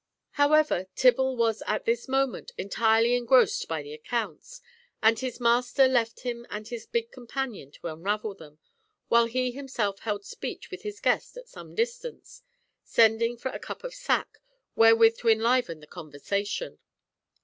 However, Tibble was at this moment entirely engrossed by the accounts, and his master left him and his big companion to unravel them, while he himself held speech with his guest at some distance—sending for a cup of sack, wherewith to enliven the conversation.